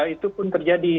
itu pun terjadi